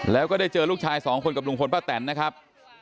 แล้วก็ได้เจอลูกชายสองคนกับลุงพลป้าแตนนะครับ